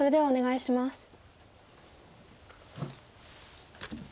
お願いします。